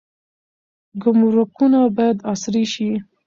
ګمرکونه باید عصري شي.